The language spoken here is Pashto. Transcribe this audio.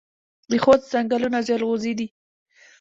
د خوست ځنګلونه جلغوزي دي